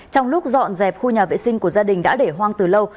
trong lúc dọn dẹp khu nhà vệ sinh của gia đình đã để hoang từ lâu